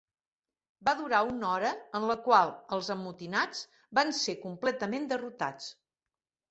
Va durar una hora en la qual els amotinats van ser completament derrotats.